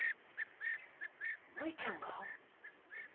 舞ちゃんが？